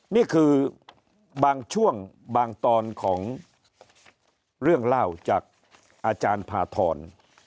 นี่คือบางช่วงบางตอนของเรื่องเล่าจากอาจารย์พาธร